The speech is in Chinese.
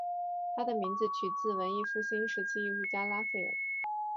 他的名字取自于文艺复兴时期艺术家拉斐尔。